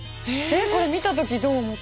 これ見た時どう思った？